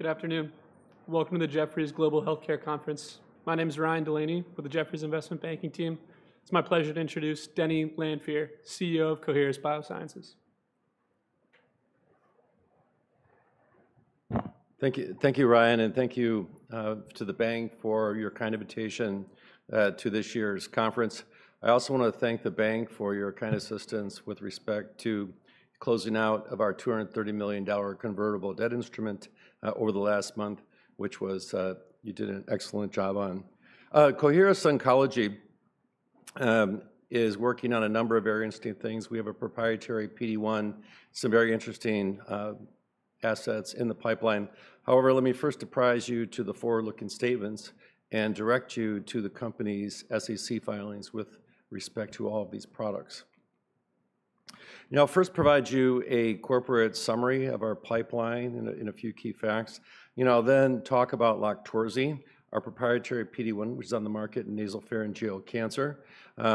Good afternoon. Welcome to the Jefferies Global Healthcare Conference. My name is Ryan Delaney with the Jefferies Investment Banking Team. It's my pleasure to introduce Denny Lanfear, CEO of Coherus BioSciences. Thank you, Ryan, and thank you to the Bank for your kind invitation to this year's conference. I also want to thank the Bank for your kind assistance with respect to closing out of our $230 million convertible debt instrument over the last month, which you did an excellent job on. Coherus Oncology is working on a number of very interesting things. We have a proprietary PD-1, some very interesting assets in the pipeline. However, let me first apprise you to the forward-looking statements and direct you to the company's SEC filings with respect to all of these products. I'll first provide you a corporate summary of our pipeline and a few key facts. I'll then talk about Loqtorzi, our proprietary PD-1, which is on the market in nasopharyngeal cancer,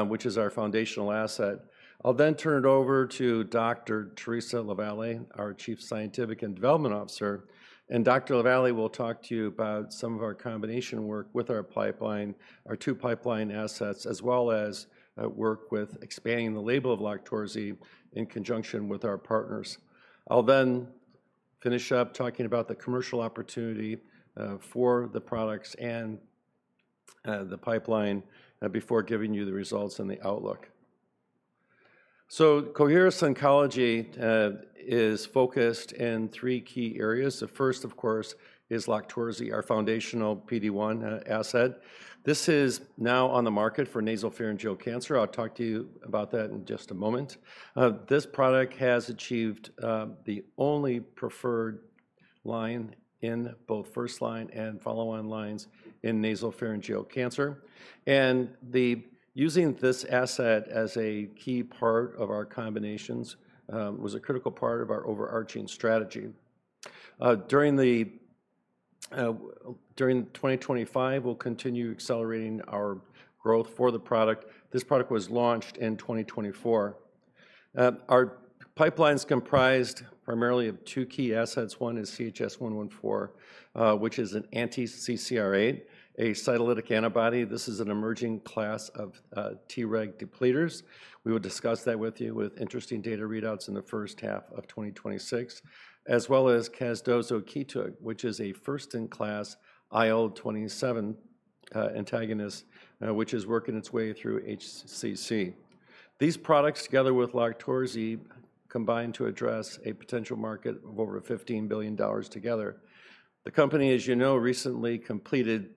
which is our foundational asset. I'll then turn it over to Dr. Theresa LaVallee, our Chief Scientific and Development Officer. Dr. LaVallee will talk to you about some of our combination work with our pipeline, our two pipeline assets, as well as work with expanding the label of Loqtorzi in conjunction with our partners. I'll then finish up talking about the commercial opportunity for the products and the pipeline before giving you the results and the outlook. Coherus Oncology is focused in three key areas. The first, of course, is Loqtorzi, our foundational PD-1 asset. This is now on the market for nasopharyngeal cancer. I'll talk to you about that in just a moment. This product has achieved the only preferred line in both first-line and follow-on lines in nasopharyngeal cancer. Using this asset as a key part of our combinations was a critical part of our overarching strategy. During 2025, we'll continue accelerating our growth for the product. This product was launched in 2024. Our pipeline is comprised primarily of two key assets. One is CHS-114, which is an anti-CCR8, a cytolytic antibody. This is an emerging class of Treg depleters. We will discuss that with you with interesting data readouts in the first half of 2026, as well as casdozokitug, which is a first-in-class IL-27 antagonist which is working its way through HCC. These products, together with Loqtorzi, combine to address a potential market of over $15 billion together. The company, as you know, recently completed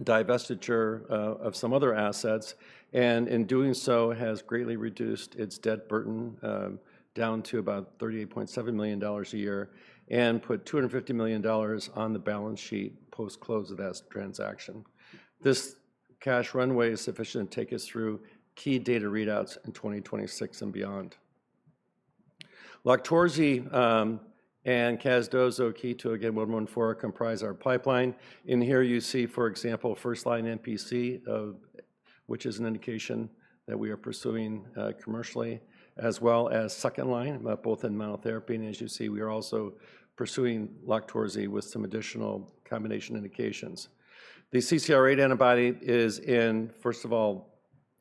divestiture of some other assets and, in doing so, has greatly reduced its debt burden down to about $38.7 million a year and put $250 million on the balance sheet post-close of that transaction. This cash runway is sufficient to take us through key data readouts in 2026 and beyond. Loqtorzi and casdozokitug, again, 114, comprise our pipeline. In here, you see, for example, first-line NPC, which is an indication that we are pursuing commercially, as well as second-line, both in monotherapy. As you see, we are also pursuing Loqtorzi with some additional combination indications. The CCR8 antibody is in, first of all,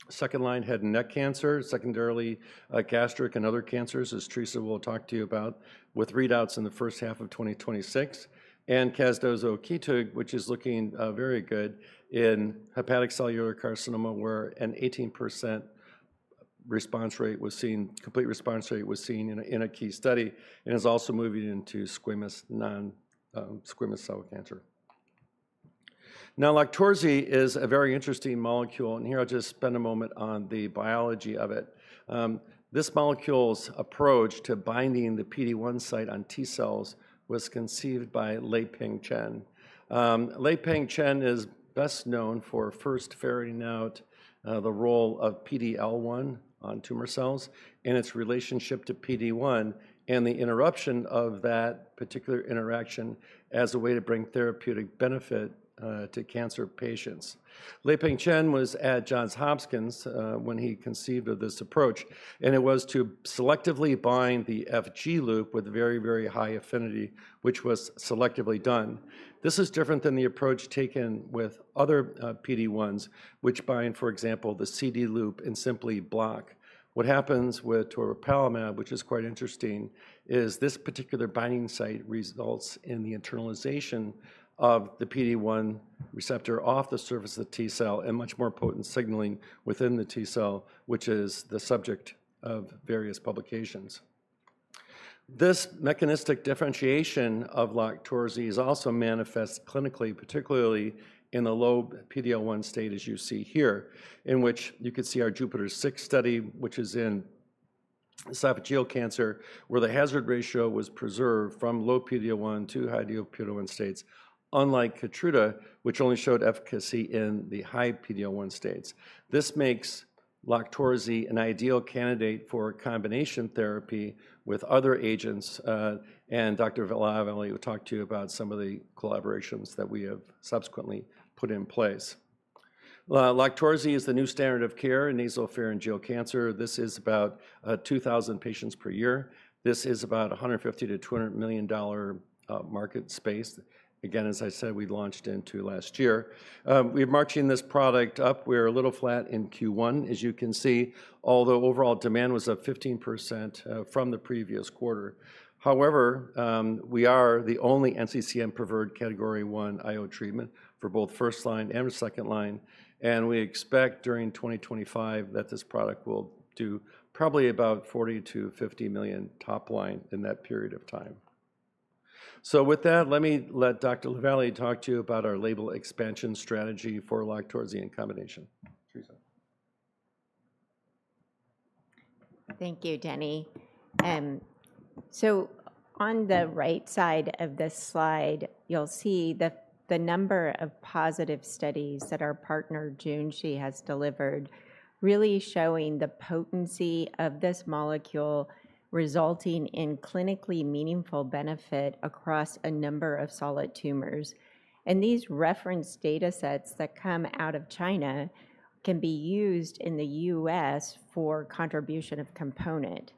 second-line head and neck cancer, secondarily gastric and other cancers, as Teresa will talk to you about, with readouts in the first half of 2026. Casdozokitug, which is looking very good in hepatocellular carcinoma, where an 18% response rate was seen, complete response rate was seen in a key study, and is also moving into squamous non-squamous cell cancer. Now, Loqtorzi is a very interesting molecule. Here, I'll just spend a moment on the biology of it. This molecule's approach to binding the PD-1 site on T cells was conceived by Lieping Chen. Lieping Chen is best known for first ferreting out the role of PD-L1 on tumor cells and its relationship to PD-1 and the interruption of that particular interaction as a way to bring therapeutic benefit to cancer patients. Lieping Chen was at Johns Hopkins when he conceived of this approach, and it was to selectively bind the FG loop with very, very high affinity, which was selectively done. This is different than the approach taken with other PD-1s, which bind, for example, the CD loop and simply block. What happens with toripalimab, which is quite interesting, is this particular binding site results in the internalization of the PD-1 receptor off the surface of the T cell and much more potent signaling within the T cell, which is the subject of various publications. This mechanistic differentiation of Loqtorzi is also manifest clinically, particularly in the low PD-L1 state, as you see here, in which you could see our Jupiter-6 study, which is in esophageal cancer, where the hazard ratio was preserved from low PD-L1 to high PD-L1 states, unlike Keytruda, which only showed efficacy in the high PD-L1 states. This makes Loqtorzi an ideal candidate for combination therapy with other agents. Dr. Lavallee will talk to you about some of the collaborations that we have subsequently put in place. Loqtorzi is the new standard of care in nasopharyngeal cancer. This is about 2,000 patients per year. This is about $150-$200 million market space. Again, as I said, we launched into last year. We're marching this product up. We're a little flat in Q1, as you can see, although overall demand was up 15% from the previous quarter. However, we are the only NCCN-preferred category one IO treatment for both first-line and second-line. We expect during 2025 that this product will do probably about $40-$50 million top line in that period of time. With that, let me let Dr. LaVallee talk to you about our label expansion strategy for Loqtorzi and combination. Theresa. Thank you, Denny. On the right side of this slide, you'll see the number of positive studies that our partner, Junshi, has delivered, really showing the potency of this molecule resulting in clinically meaningful benefit across a number of solid tumors. These reference data sets that come out of China can be used in the U.S. for contribution of component.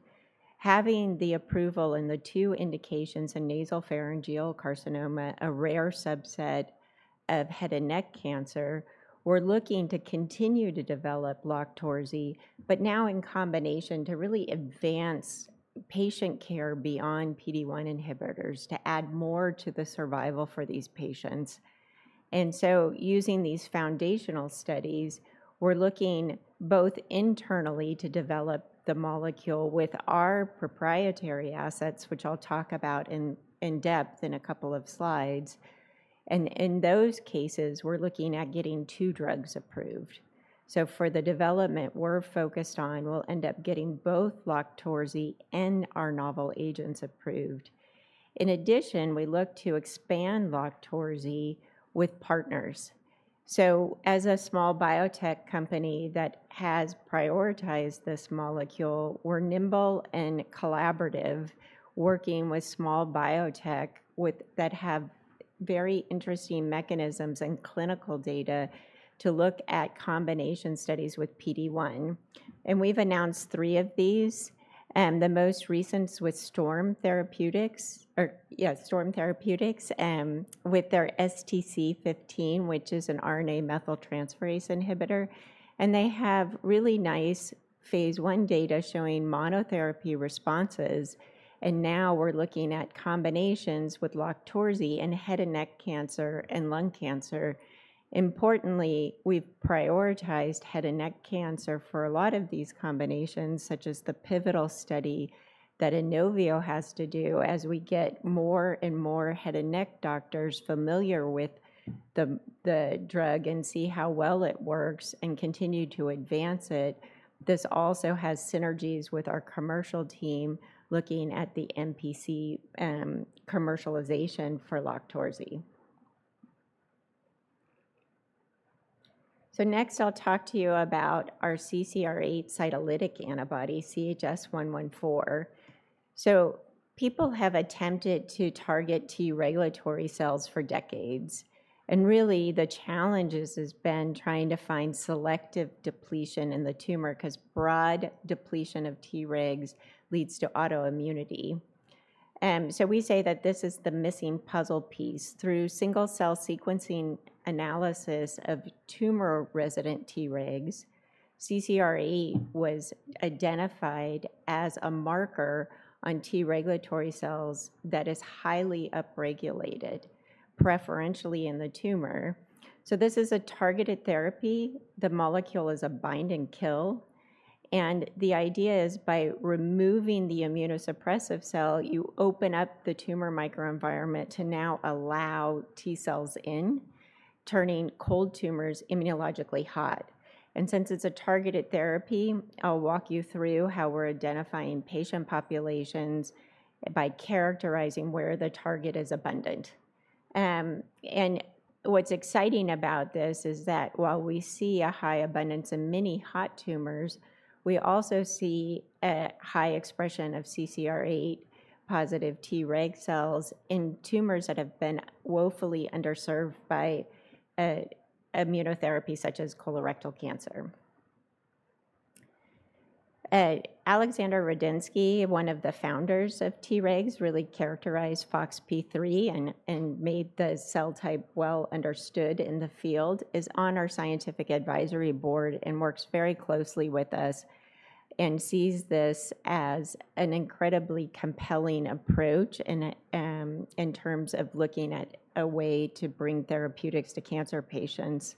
Having the approval in the two indications in nasopharyngeal carcinoma, a rare subset of head and neck cancer, we're looking to continue to develop Loqtorzi, but now in combination to really advance patient care beyond PD-1 inhibitors to add more to the survival for these patients. Using these foundational studies, we're looking both internally to develop the molecule with our proprietary assets, which I'll talk about in depth in a couple of slides. In those cases, we're looking at getting two drugs approved. For the development we're focused on, we'll end up getting both Loqtorzi and our novel agents approved. In addition, we look to expand Loqtorzi with partners. As a small biotech company that has prioritized this molecule, we're nimble and collaborative, working with small biotech that have very interesting mechanisms and clinical data to look at combination studies with PD-1. We've announced three of these. The most recent was Storm Therapeutics, with their STC-15, which is an RNA methyltransferase inhibitor. They have really nice phase one data showing monotherapy responses. Now we're looking at combinations with Loqtorzi in head and neck cancer and lung cancer. Importantly, we've prioritized head and neck cancer for a lot of these combinations, such as the pivotal study that Inovio has to do as we get more and more head and neck doctors familiar with the drug and see how well it works and continue to advance it. This also has synergies with our commercial team looking at the NPC commercialization for Loqtorzi. Next, I'll talk to you about our CCR8 cytolytic antibody, CHS-114. People have attempted to target T regulatory cells for decades. Really, the challenge has been trying to find selective depletion in the tumor because broad depletion of Tregs leads to autoimmunity. We say that this is the missing puzzle piece. Through single-cell sequencing analysis of tumor-resident Tregs, CCR8 was identified as a marker on T regulatory cells that is highly upregulated, preferentially in the tumor. This is a targeted therapy. The molecule is a binding kill. The idea is by removing the immunosuppressive cell, you open up the tumor microenvironment to now allow T cells in, turning cold tumors immunologically hot. Since it's a targeted therapy, I'll walk you through how we're identifying patient populations by characterizing where the target is abundant. What's exciting about this is that while we see a high abundance in many hot tumors, we also see a high expression of CCR8-positive Treg cells in tumors that have been woefully underserved by immunotherapy, such as colorectal cancer. Alexander Radinsky, one of the founders of Tregs, really characterized FOXP3 and made the cell type well understood in the field, is on our scientific advisory board and works very closely with us and sees this as an incredibly compelling approach in terms of looking at a way to bring therapeutics to cancer patients.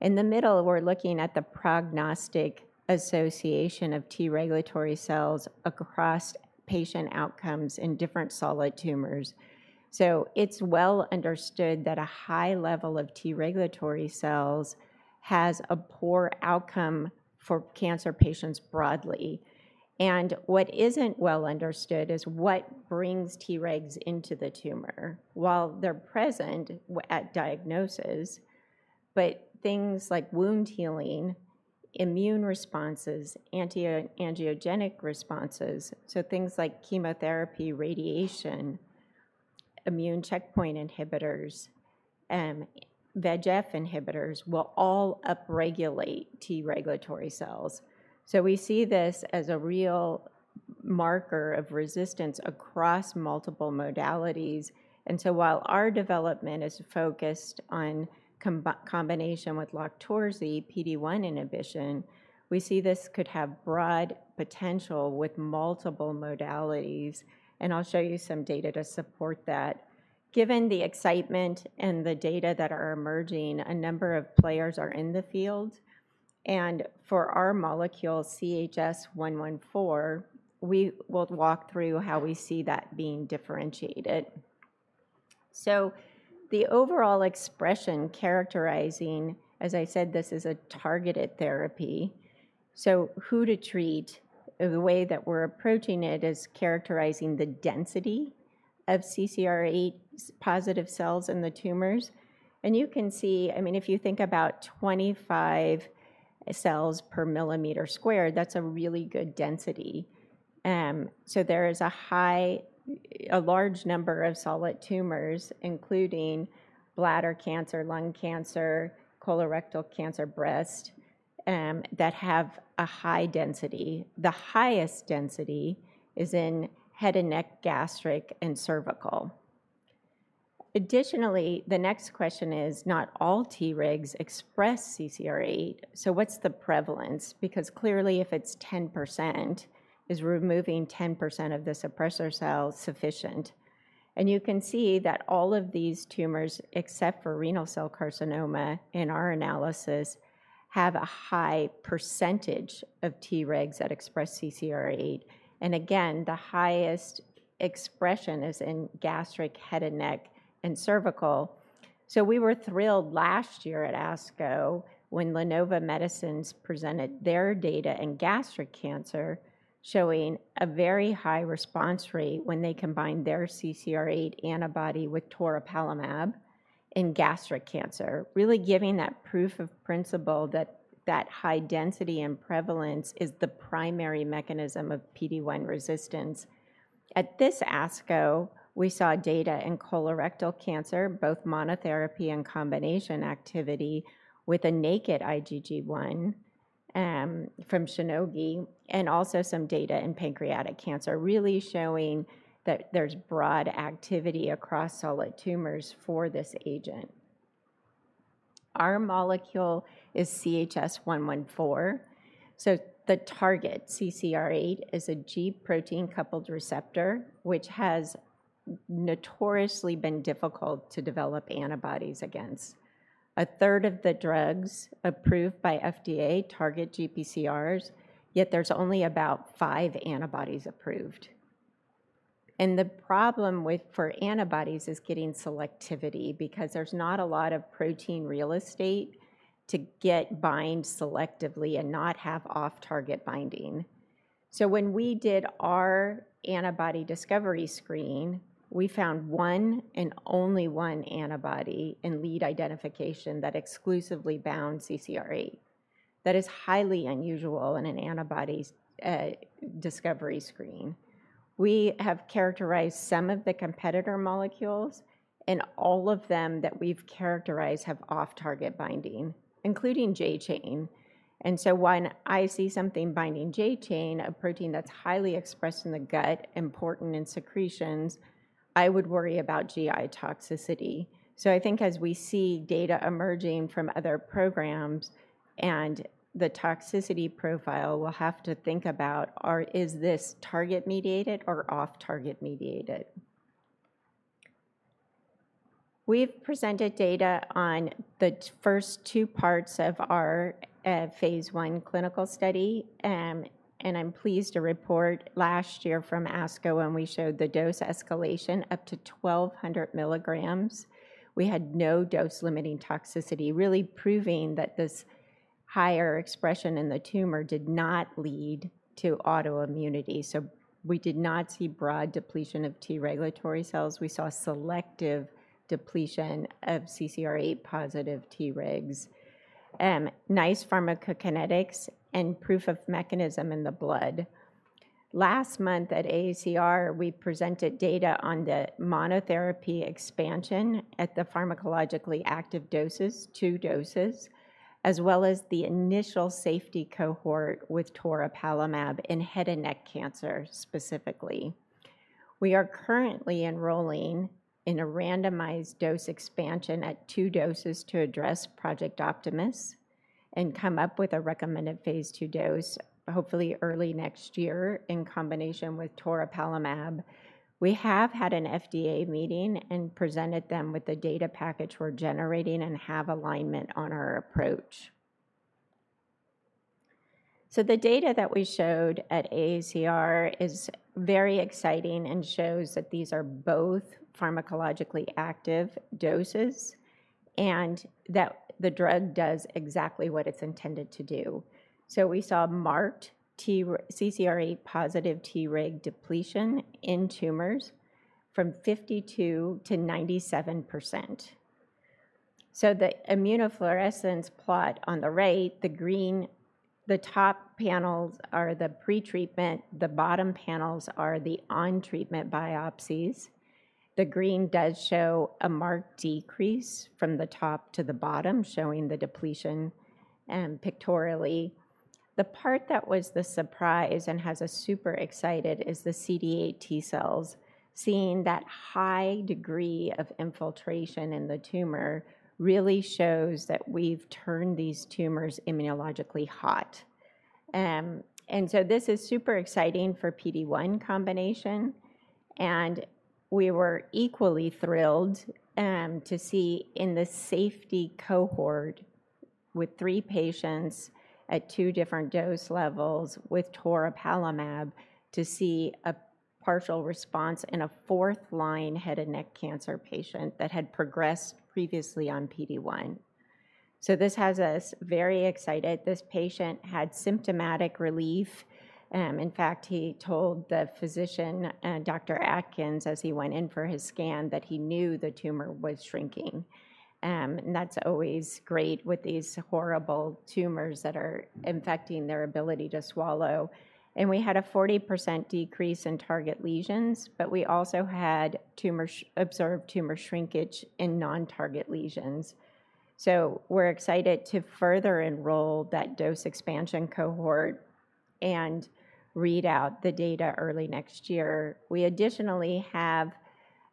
In the middle, we're looking at the prognostic association of T regulatory cells across patient outcomes in different solid tumors. It is well understood that a high level of T regulatory cells has a poor outcome for cancer patients broadly. What isn't well understood is what brings Tregs into the tumor. While they're present at diagnosis, things like wound healing, immune responses, anti-angiogenic responses, chemotherapy, radiation, immune checkpoint inhibitors, and VEGF inhibitors will all upregulate T regulatory cells. We see this as a real marker of resistance across multiple modalities. While our development is focused on combination with Loqtorzi PD-1 inhibition, we see this could have broad potential with multiple modalities. I'll show you some data to support that. Given the excitement and the data that are emerging, a number of players are in the field. For our molecule, CHS-114, we will walk through how we see that being differentiated. The overall expression characterizing, as I said, this is a targeted therapy. Who to treat, the way that we're approaching it is characterizing the density of CCR8-positive cells in the tumors. You can see, I mean, if you think about 25 cells per millimeter squared, that's a really good density. There is a large number of solid tumors, including bladder cancer, lung cancer, colorectal cancer, breast, that have a high density. The highest density is in head and neck, gastric, and cervical. Additionally, the next question is not all Tregs express CCR8. What's the prevalence? Because clearly, if it's 10%, is removing 10% of the suppressor cells sufficient? You can see that all of these tumors, except for renal cell carcinoma in our analysis, have a high percentage of Tregs that express CCR8. Again, the highest expression is in gastric, head and neck, and cervical. We were thrilled last year at ASCO when Lenovo Medicines presented their data in gastric cancer, showing a very high response rate when they combined their CCR8 antibody with toripalimab in gastric cancer, really giving that proof of principle that that high density and prevalence is the primary mechanism of PD-1 resistance. At this ASCO, we saw data in colorectal cancer, both monotherapy and combination activity, with a naked IgG1 from Shionogi, and also some data in pancreatic cancer, really showing that there is broad activity across solid tumors for this agent. Our molecule is CHS-114. The target CCR8 is a G protein-coupled receptor, which has notoriously been difficult to develop antibodies against. A third of the drugs approved by FDA target GPCRs, yet there's only about five antibodies approved. The problem for antibodies is getting selectivity because there's not a lot of protein real estate to bind selectively and not have off-target binding. When we did our antibody discovery screen, we found one and only one antibody in lead identification that exclusively bound CCR8. That is highly unusual in an antibody discovery screen. We have characterized some of the competitor molecules, and all of them that we've characterized have off-target binding, including J-chain. When I see something binding J-chain, a protein that's highly expressed in the gut, important in secretions, I would worry about GI toxicity. I think as we see data emerging from other programs and the toxicity profile, we'll have to think about, is this target-mediated or off-target-mediated? We've presented data on the first two parts of our phase one clinical study. I'm pleased to report last year from ASCO when we showed the dose escalation up to 1,200 milligrams. We had no dose-limiting toxicity, really proving that this higher expression in the tumor did not lead to autoimmunity. We did not see broad depletion of T regulatory cells. We saw selective depletion of CCR8-positive Tregs. Nice pharmacokinetics and proof of mechanism in the blood. Last month at AACR, we presented data on the monotherapy expansion at the pharmacologically active doses, two doses, as well as the initial safety cohort with Loqtorzi in head and neck cancer specifically. We are currently enrolling in a randomized dose expansion at two doses to address Project Optimus and come up with a recommended phase two dose, hopefully early next year in combination with toripalimab. We have had an FDA meeting and presented them with the data package we're generating and have alignment on our approach. The data that we showed at AACR is very exciting and shows that these are both pharmacologically active doses and that the drug does exactly what it's intended to do. We saw marked CCR8-positive Treg depletion in tumors from 52% to 97%. The immunofluorescence plot on the right, the green, the top panels are the pretreatment. The bottom panels are the on-treatment biopsies. The green does show a marked decrease from the top to the bottom, showing the depletion pictorially. The part that was the surprise and has us super excited is the CD8 T cells. Seeing that high degree of infiltration in the tumor really shows that we've turned these tumors immunologically hot. This is super exciting for PD-1 combination. We were equally thrilled to see in the safety cohort with three patients at two different dose levels with toripalimab to see a partial response in a fourth-line head and neck cancer patient that had progressed previously on PD-1. This has us very excited. This patient had symptomatic relief. In fact, he told the physician, Dr. Atkins, as he went in for his scan, that he knew the tumor was shrinking. That's always great with these horrible tumors that are affecting their ability to swallow. We had a 40% decrease in target lesions, but we also had observed tumor shrinkage in non-target lesions. We're excited to further enroll that dose expansion cohort and read out the data early next year. We additionally have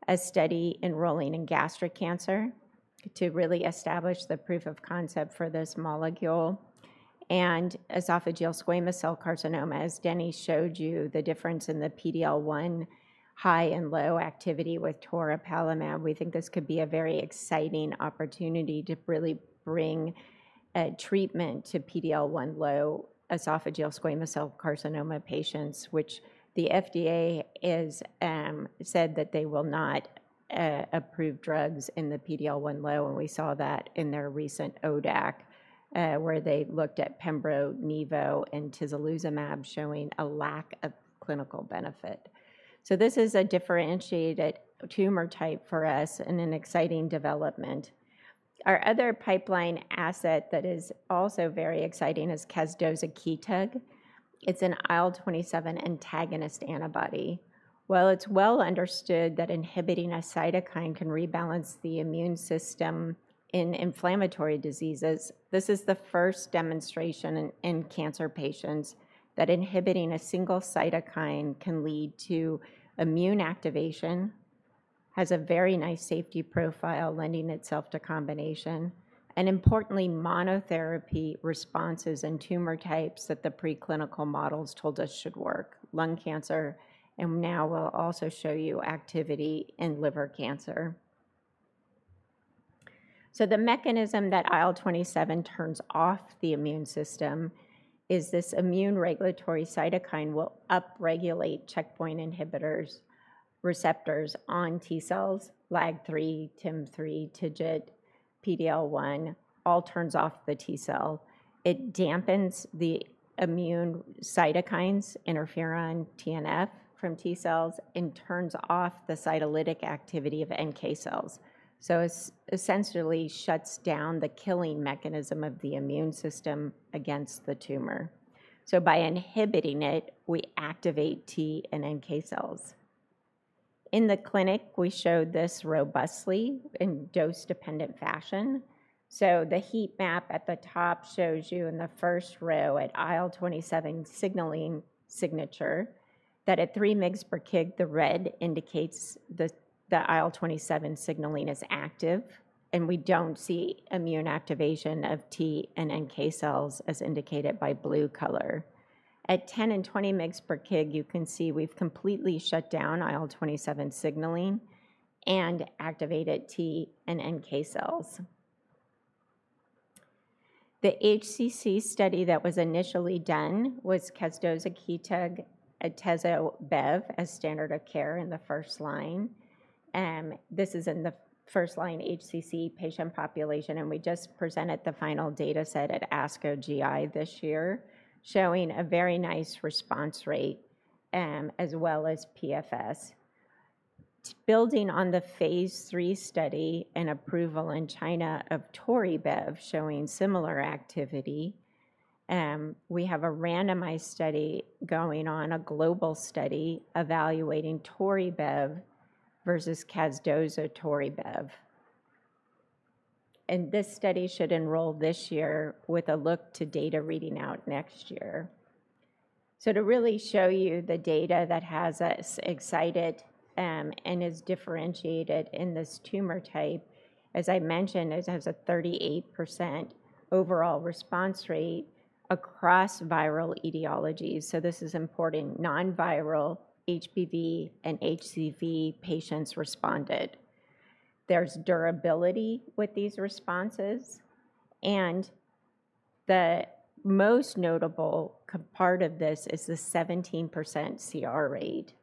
a study enrolling in gastric cancer to really establish the proof of concept for this molecule. Esophageal squamous cell carcinoma, as Denyce showed you, the difference in the PD-L1 high and low activity with Loqtorzi, we think this could be a very exciting opportunity to really bring treatment to PD-L1 low esophageal squamous cell carcinoma patients, which the FDA has said that they will not approve drugs in the PD-L1 low. We saw that in their recent ODAC, where they looked at pembrolizumab and atezolizumab, showing a lack of clinical benefit. This is a differentiated tumor type for us and an exciting development. Our other pipeline asset that is also very exciting is casdozokitug. It's an IL-27 antagonist antibody. While it's well understood that inhibiting a cytokine can rebalance the immune system in inflammatory diseases, this is the first demonstration in cancer patients that inhibiting a single cytokine can lead to immune activation, has a very nice safety profile lending itself to combination. Importantly, monotherapy responses in tumor types that the preclinical models told us should work, lung cancer. Now we'll also show you activity in liver cancer. The mechanism that IL-27 turns off the immune system is this immune regulatory cytokine will upregulate checkpoint inhibitor receptors on T cells, LAG3, TIM3, TIGIT, PDL1, all turns off the T cell. It dampens the immune cytokines, interferon, TNF from T cells, and turns off the cytolytic activity of NK cells. It essentially shuts down the killing mechanism of the immune system against the tumor. By inhibiting it, we activate T and NK cells. In the clinic, we showed this robustly in dose-dependent fashion. The heat map at the top shows you in the first row an IL-27 signaling signature that at 3 mg per kg, the red indicates the IL-27 signaling is active. We do not see immune activation of T and NK cells as indicated by blue color. At 10 and 20 mg per kg, you can see we have completely shut down IL-27 signaling and activated T and NK cells. The HCC study that was initially done was casdozokitug, atezobev as standard of care in the first line. This is in the first line HCC patient population. We just presented the final dataset at ASCO GI this year, showing a very nice response rate as well as PFS. Building on the phase three study and approval in China of ToriBEV showing similar activity, we have a randomized study going on, a global study evaluating ToriBEV versus CASDOSA-ToriBEV. This study should enroll this year with a look to data reading out next year. To really show you the data that has us excited and is differentiated in this tumor type, as I mentioned, it has a 38% overall response rate across viral etiologies. This is important. Non-viral HPV and HCV patients responded. There is durability with these responses. The most notable part of this is the 17% CR rate.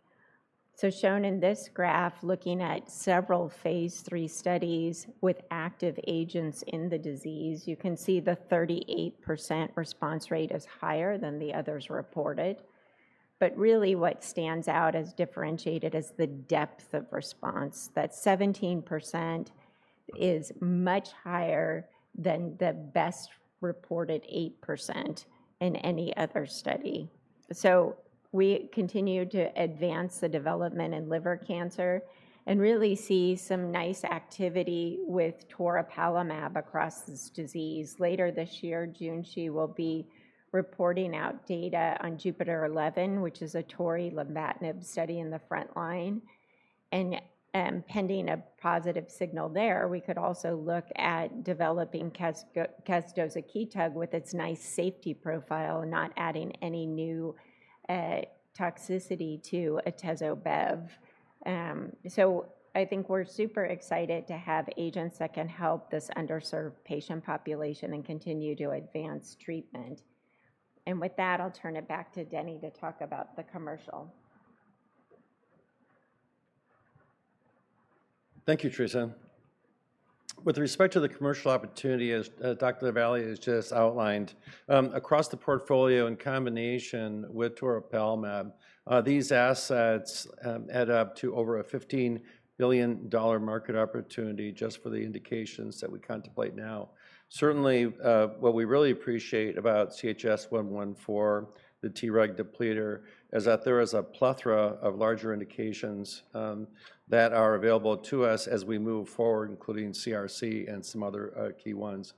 Shown in this graph, looking at several phase three studies with active agents in the disease, you can see the 38% response rate is higher than the others reported. What stands out as differentiated is the depth of response. That 17% is much higher than the best reported 8% in any other study. We continue to advance the development in liver cancer and really see some nice activity with toripalimab across this disease. Later this year, Junshi will be reporting out data on JUPITER-11, which is a tori-lenvatinib study in the front line. Pending a positive signal there, we could also look at developing casdozokitug with its nice safety profile, not adding any new toxicity to atezobev. I think we're super excited to have agents that can help this underserved patient population and continue to advance treatment. With that, I'll turn it back to Denny to talk about the commercial. Thank you, Theresa. With respect to the commercial opportunity, as Dr. LaVallee has just outlined, across the portfolio in combination with toripalimab, these assets add up to over a $15 billion market opportunity just for the indications that we contemplate now. Certainly, what we really appreciate about CHS-114, the Treg depleter, is that there is a plethora of larger indications that are available to us as we move forward, including CRC and some other key ones.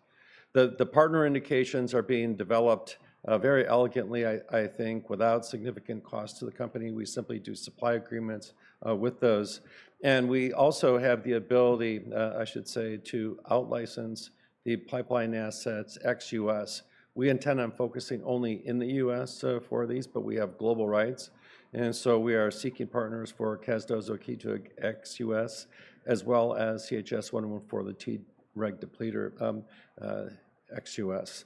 The partner indications are being developed very elegantly, I think, without significant cost to the company. We simply do supply agreements with those. We also have the ability, I should say, to out-license the pipeline assets ex U.S. We intend on focusing only in the U.S. for these, but we have global rights. We are seeking partners for casdozokitug ex U.S., as well as CHS-114, the Treg depleter ex U.S.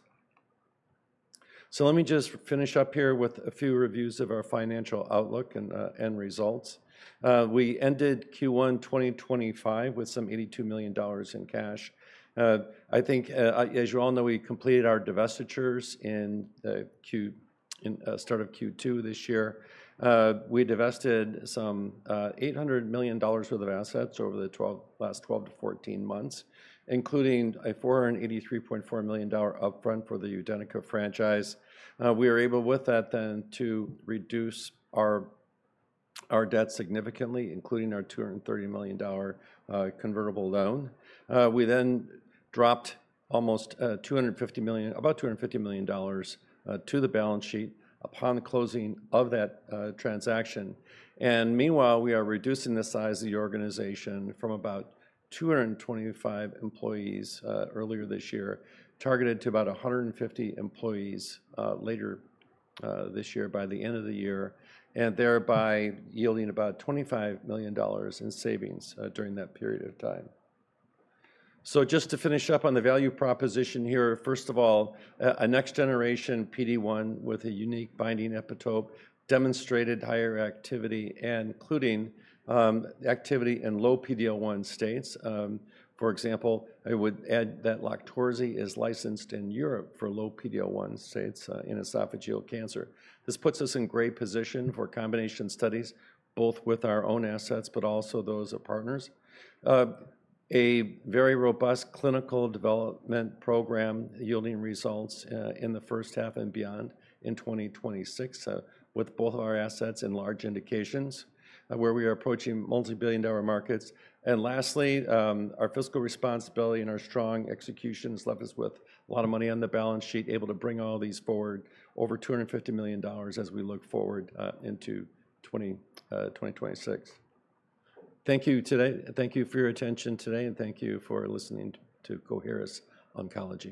Let me just finish up here with a few reviews of our financial outlook and results. We ended Q1 2025 with some $82 million in cash. I think, as you all know, we completed our divestitures at the start of Q2 this year. We divested some $800 million worth of assets over the last 12-14 months, including a $483.4 million upfront for the Udenyca franchise. We were able with that then to reduce our debt significantly, including our $230 million convertible loan. We then dropped almost about $250 million to the balance sheet upon the closing of that transaction. Meanwhile, we are reducing the size of the organization from about 225 employees earlier this year, targeted to about 150 employees later this year by the end of the year, and thereby yielding about $25 million in savings during that period of time. Just to finish up on the value proposition here, first of all, a next-generation PD-1 with a unique binding epitope demonstrated higher activity, including activity in low PD-L1 states. For example, I would add that Loqtorzi is licensed in Europe for low PD-L1 states in esophageal cancer. This puts us in great position for combination studies, both with our own assets, but also those of partners. A very robust clinical development program yielding results in the first half and beyond in 2026 with both our assets and large indications where we are approaching multi-billion dollar markets. Lastly, our fiscal responsibility and our strong executions left us with a lot of money on the balance sheet, able to bring all these forward, over $250 million as we look forward into 2026. Thank you for your attention today, and thank you for listening to Coherus Oncology.